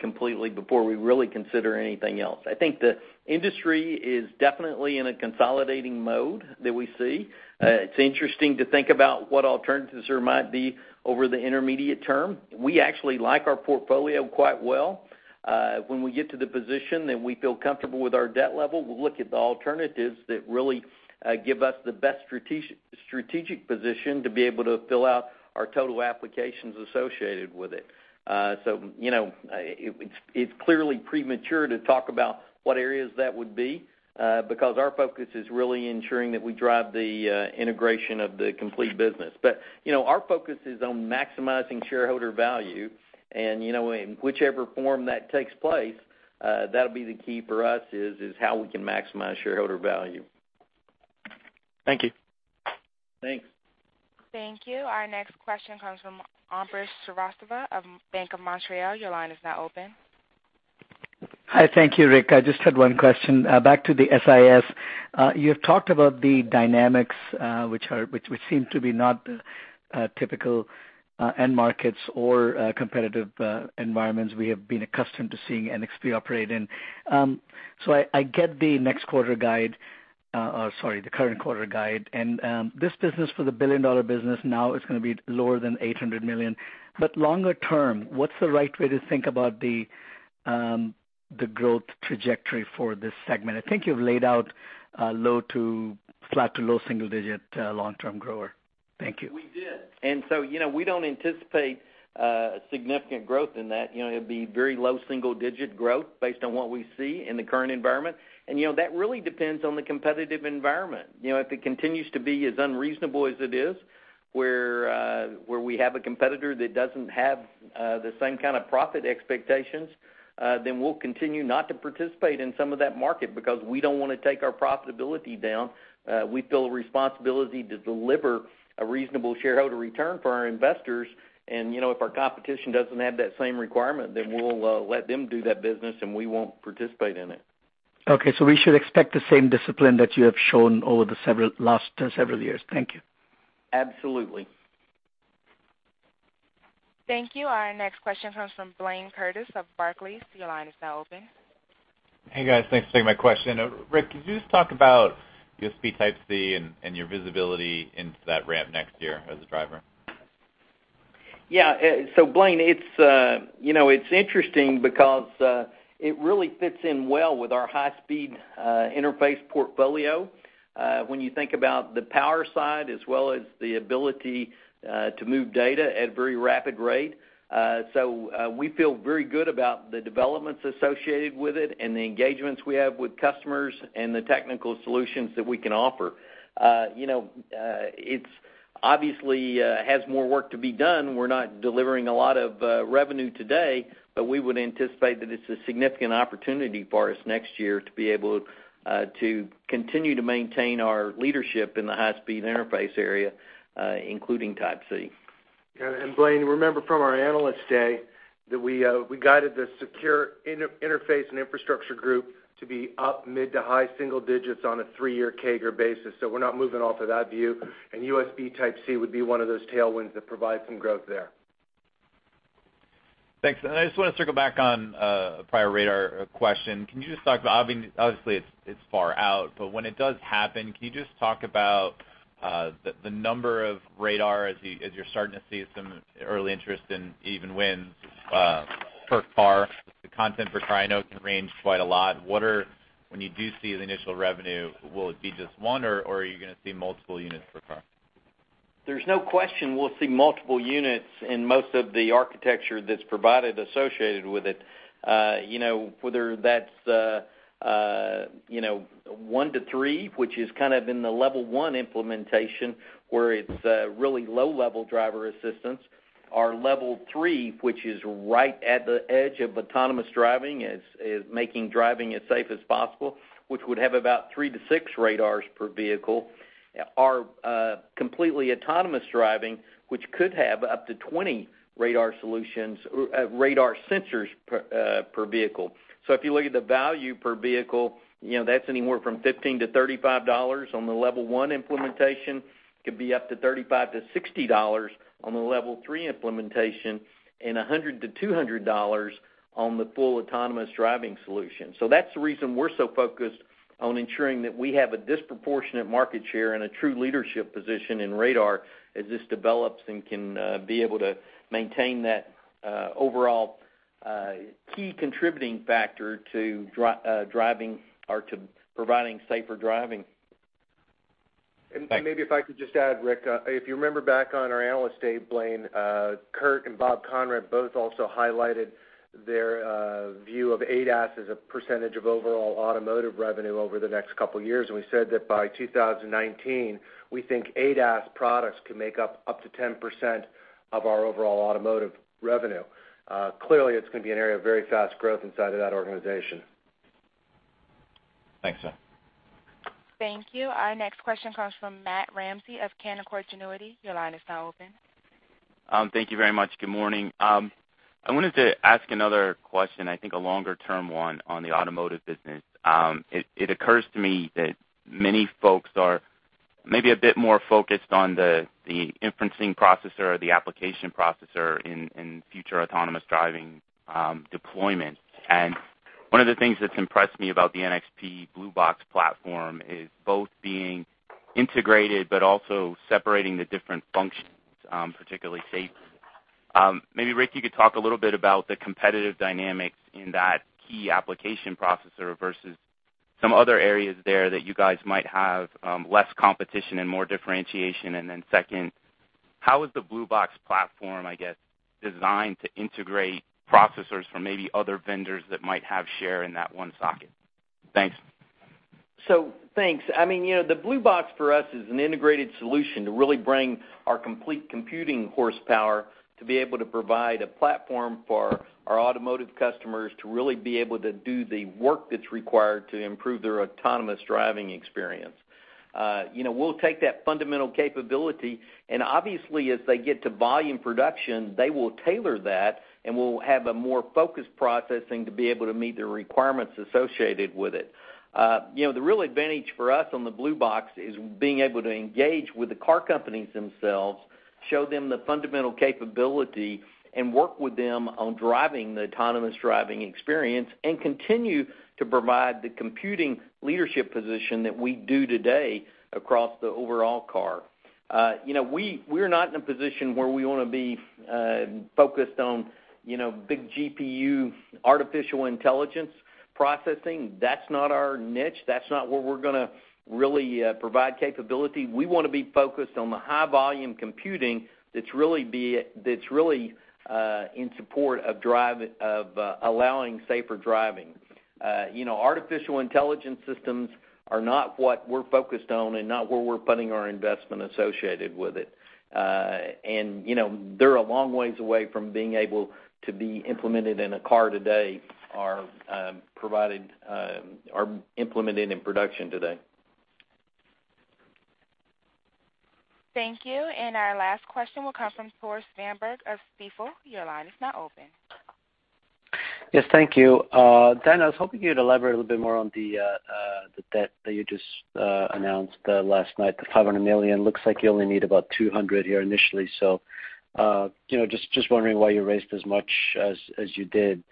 completely before we really consider anything else. I think the industry is definitely in a consolidating mode that we see. It's interesting to think about what alternatives there might be over the intermediate term. We actually like our portfolio quite well. When we get to the position that we feel comfortable with our debt level, we'll look at the alternatives that really give us the best strategic position to be able to fill out our total applications associated with it. It's clearly premature to talk about what areas that would be, because our focus is really ensuring that we drive the integration of the complete business. Our focus is on maximizing shareholder value, and whichever form that takes place, that'll be the key for us, is how we can maximize shareholder value. Thank you. Thanks. Thank you. Our next question comes from Ambrish Srivastava of Bank of Montreal. Your line is now open. Hi. Thank you, Rick. I just had one question. Back to the SIS. You have talked about the dynamics, which seem to be not typical end markets or competitive environments we have been accustomed to seeing NXP operate in. I get the next quarter guide, or, sorry, the current quarter guide, and this business for the billion-dollar business now is going to be lower than $800 million. Longer term, what's the right way to think about the growth trajectory for this segment? I think you've laid out flat to low single digit long-term grower. Thank you. We did. We don't anticipate a significant growth in that. It'd be very low single digit growth based on what we see in the current environment. That really depends on the competitive environment. If it continues to be as unreasonable as it is, where we have a competitor that doesn't have the same kind of profit expectations, then we'll continue not to participate in some of that market, because we don't want to take our profitability down. We feel a responsibility to deliver a reasonable shareholder return for our investors, and if our competition doesn't have that same requirement, then we'll let them do that business and we won't participate in it. Okay, we should expect the same discipline that you have shown over the last several years. Thank you. Absolutely. Thank you. Our next question comes from Blayne Curtis of Barclays. Your line is now open. Hey, guys. Thanks for taking my question. Rick, could you just talk about USB Type-C and your visibility into that ramp next year as a driver? Blayne, it's interesting because it really fits in well with our high-speed interface portfolio. When you think about the power side as well as the ability to move data at very rapid rate. We feel very good about the developments associated with it and the engagements we have with customers and the technical solutions that we can offer. It obviously has more work to be done. We're not delivering a lot of revenue today, but we would anticipate that it's a significant opportunity for us next year to be able to continue to maintain our leadership in the high-speed interface area, including Type-C. Blayne, remember from our Analyst Day that we guided the Secure Interface and Infrastructure group to be up mid to high single digits on a three-year CAGR basis. We're not moving off of that view. USB Type-C would be one of those tailwinds that provide some growth there. Thanks. I just want to circle back on a prior radar question. Obviously, it's far out, but when it does happen, can you just talk about the number of radar as you're starting to see some early interest in even wins per car? The content per car I know can range quite a lot. When you do see the initial revenue, will it be just one or are you going to see multiple units per car? There's no question we'll see multiple units in most of the architecture that's provided associated with it. Whether that's 1-3, which is kind of in the level 1 implementation, where it's really low-level driver assistance. Level 3, which is right at the edge of autonomous driving, is making driving as safe as possible, which would have about 3-6 radars per vehicle. Completely autonomous driving, which could have up to 20 radar sensors per vehicle. If you look at the value per vehicle, that's anywhere from $15-$35 on the level 1 implementation. It could be up to $35-$60 on the level 3 implementation, and $100-$200 on the full autonomous driving solution. That's the reason we're so focused on ensuring that we have a disproportionate market share and a true leadership position in radar as this develops and can be able to maintain that overall key contributing factor to providing safer driving. Thanks. Maybe if I could just add, Rick Clemmer, if you remember back on our Analyst Day, Blayne Curtis, Kurt Sievers and Bob Conrad both also highlighted their view of ADAS as a percentage of overall automotive revenue over the next couple of years, and we said that by 2019, we think ADAS products could make up up to 10% of our overall automotive revenue. Clearly, it's going to be an area of very fast growth inside of that organization. Thanks, guys. Thank you. Our next question comes from Matt Ramsay of Canaccord Genuity. Your line is now open. Thank you very much. Good morning. I wanted to ask another question, I think a longer term one on the automotive business. It occurs to me that many folks are maybe a bit more focused on the inferencing processor or the application processor in future autonomous driving deployment. One of the things that's impressed me about the NXP BlueBox platform is both being integrated but also separating the different functions, particularly safety. Maybe, Rick, you could talk a little bit about the competitive dynamics in that key application processor versus some other areas there that you guys might have less competition and more differentiation. Second, how is the BlueBox platform, I guess, designed to integrate processors from maybe other vendors that might have share in that one socket? Thanks. Thanks. The BlueBox for us is an integrated solution to really bring our complete computing horsepower to be able to provide a platform for our automotive customers to really be able to do the work that's required to improve their autonomous driving experience. We'll take that fundamental capability, and obviously, as they get to volume production, they will tailor that, and we'll have a more focused processing to be able to meet the requirements associated with it. The real advantage for us on the BlueBox is being able to engage with the car companies themselves, show them the fundamental capability, and work with them on driving the autonomous driving experience, and continue to provide the computing leadership position that we do today across the overall car. We're not in a position where we want to be focused on big GPU, artificial intelligence processing. That's not our niche. That's not where we're going to really provide capability. We want to be focused on the high volume computing that's really in support of allowing safer driving. Artificial intelligence systems are not what we're focused on and not where we're putting our investment associated with it. They're a long way away from being able to be implemented in a car today or implemented in production today. Thank you. Our last question will come from Tore Svanberg of Stifel. Your line is now open. Yes, thank you. Dan, I was hoping you'd elaborate a little bit more on the debt that you just announced last night, the $500 million. Looks like you only need about $200 here initially. Just wondering why you raised as much as you did,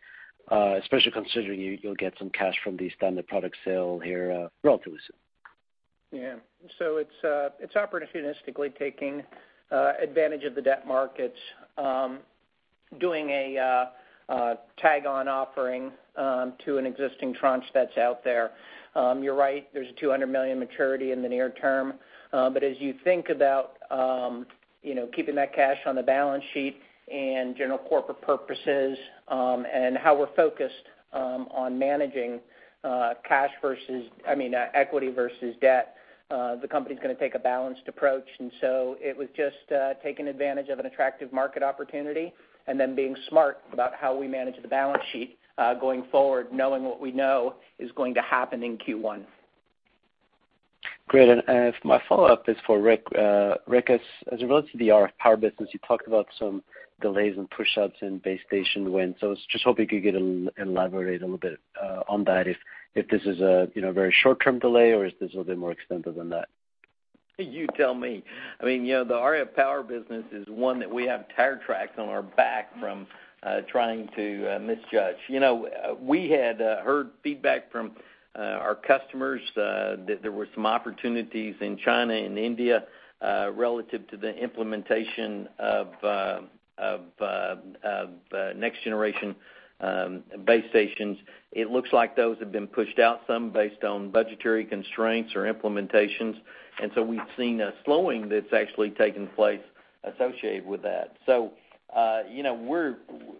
especially considering you'll get some cash from the Standard Products sale here relatively soon. Yeah. It's opportunistically taking advantage of the debt markets, doing a tag-on offering to an existing tranche that's out there. You're right, there's a $200 million maturity in the near term. As you think about keeping that cash on the balance sheet and general corporate purposes and how we're focused on managing equity versus debt, the company's going to take a balanced approach. It was just taking advantage of an attractive market opportunity and then being smart about how we manage the balance sheet going forward, knowing what we know is going to happen in Q1. Great. My follow-up is for Rick. Rick, as it relates to the RF power business, you talked about some delays and push-outs in base station wins. I was just hoping you could elaborate a little bit on that if this is a very short-term delay or is this a little bit more extensive than that? You tell me. The RF power business is one that we have tire tracks on our back from trying to misjudge. We had heard feedback from our customers that there were some opportunities in China and India relative to the implementation of next generation base stations. It looks like those have been pushed out some based on budgetary constraints or implementations, we've seen a slowing that's actually taken place associated with that.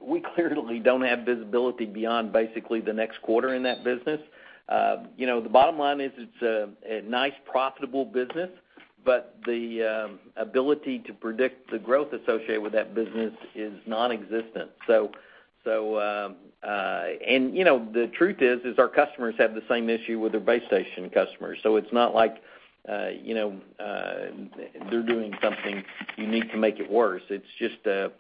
We clearly don't have visibility beyond basically the next quarter in that business. The bottom line is it's a nice, profitable business, but the ability to predict the growth associated with that business is nonexistent. The truth is our customers have the same issue with their base station customers. It's not like they're doing something unique to make it worse. It's just a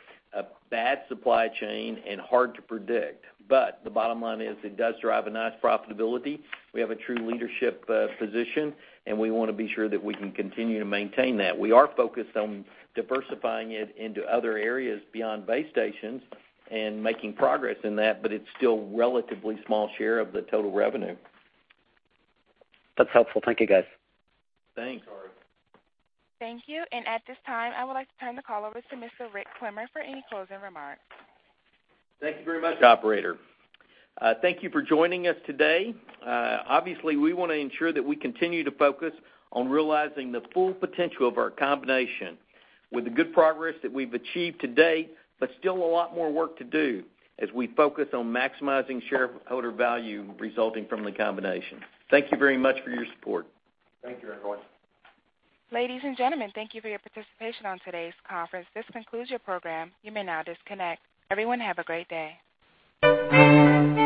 bad supply chain and hard to predict. The bottom line is it does drive a nice profitability. We have a true leadership position, and we want to be sure that we can continue to maintain that. We are focused on diversifying it into other areas beyond base stations and making progress in that, but it's still relatively small share of the total revenue. That's helpful. Thank you, guys. Thanks. Sorry. Thank you. At this time, I would like to turn the call over to Mr. Rick Clemmer for any closing remarks. Thank you very much, operator. Thank you for joining us today. Obviously, we want to ensure that we continue to focus on realizing the full potential of our combination with the good progress that we've achieved to date, but still a lot more work to do as we focus on maximizing shareholder value resulting from the combination. Thank you very much for your support. Thank you, everyone. Ladies and gentlemen, thank you for your participation on today's conference. This concludes your program. You may now disconnect. Everyone, have a great day.